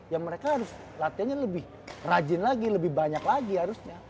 ya mereka harus latihannya lebih rajin lagi lebih banyak lagi harusnya